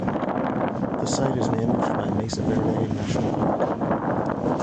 The site is managed by Mesa Verde National Park.